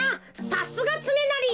さすがつねなり。